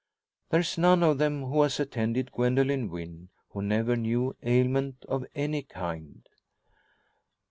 There is none of them who has attended Gwendoline Wynn, who never knew ailment of any kind.